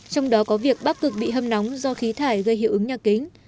trong đó có việc bắc cực bị hâm nóng do khí thải gây hiệu ứng nhà kính